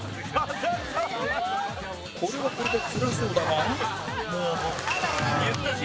これはこれでつらそうだが